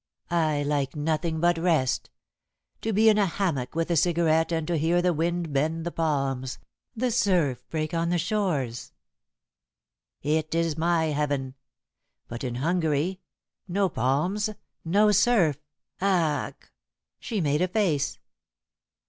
"I like nothing but rest. To be in a hammock with a cigarette and to hear the wind bend the palms, the surf break on the shores. It is my heaven. But in Hungary no palms, no surf. Ach!" She made a face.